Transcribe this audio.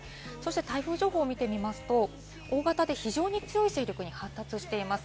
台風情報を見てみますと、大型で非常に強い勢力に発達しています。